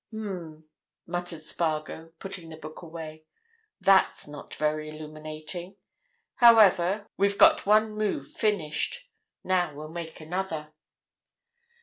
"Um!" muttered Spargo, putting the book away. "That's not very illuminating. However, we've got one move finished. Now we'll make another."